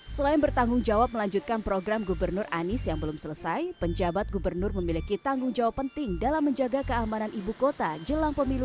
selain bertanggung jawab melanjutkan program gubernur anies yang belum selesai penjabat gubernur memiliki tanggung jawab penting dalam menjaga keamanan ibu kota jelang pemilu dua ribu sembilan belas